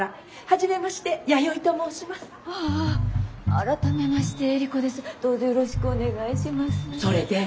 改めましてエリコです。